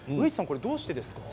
どうしてですか？